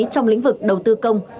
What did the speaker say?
trong lĩnh vực đầu tư công